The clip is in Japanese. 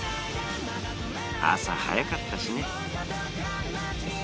朝早かったしね。